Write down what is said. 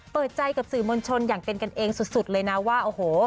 เปิดใจกับสื่อมวลชนอย่างเป็นกันเองสุดเลยนะว่าโอ้โห